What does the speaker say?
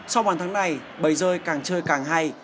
sau bản tháng này bầy rơi càng chơi càng hay